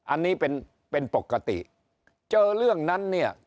อันนี้เป็นเป็นปกติเจอเรื่องนั้นเนี่ย